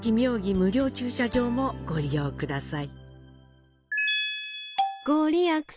無料駐車場もご利用ください。